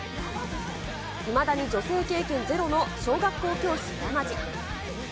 いまだに女性経験ゼロの小学校教師、山路。